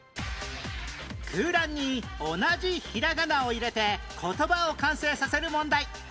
空欄に同じひらがなを入れて言葉を完成させる問題